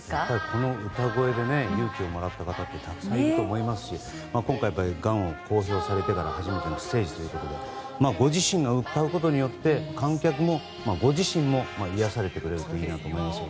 この歌声で勇気をもらった方ってたくさんいると思いますし、今回がんを公表されてから初めてのステージということでご自身が歌うことによって観客もご自身も癒やされるんだと思います。